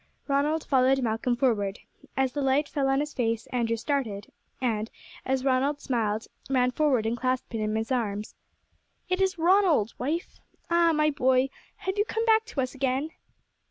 Ronald followed Malcolm forward. As the light fell on his face Andrew started, and, as Ronald smiled, ran forward and clasped him in his arms. "It is Ronald, wife! Ah, my boy, have you come back to us again?"